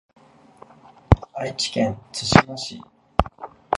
愛知県津島市